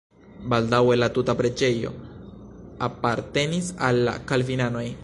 Baldaŭe la tuta preĝejo apartenis al la kalvinanoj.